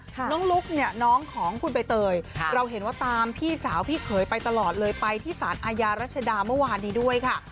น้องลุ๊กเนี่ยน้องของคุณใบเตยเราเห็นว่าตามพี่สาวพี่เขยไปตลอดเลยไปที่สารอาญารัชดาเมื่อวานนี้ด้วยค่ะ